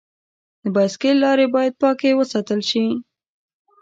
د بایسکل لارې باید پاکې وساتل شي.